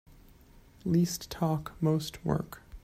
Least talk most work.